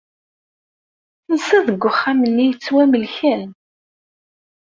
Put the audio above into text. Tensiḍ deg wexxam-nni yettwamelken?